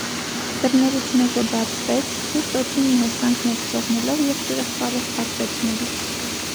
Դռներից մեկը բացվեց, ցուրտ օդի մի հոսանք ներս թողնելով, և շրխկալով փակվեց նորից: